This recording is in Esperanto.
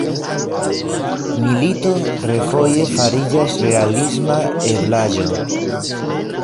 Milito refoje fariĝas realisma eblaĵo.